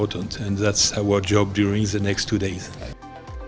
dan itu adalah tugas kami dalam dua hari berikutnya